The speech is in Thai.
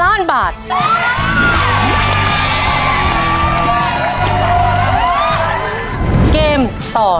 สวัสดีครับและนี่คือรายการที่เป็นความหวังของทุกครอบครัวที่มีวิกฤต